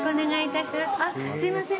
すいません